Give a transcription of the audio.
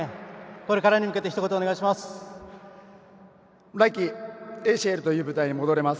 これからに向けてひと言お願いします。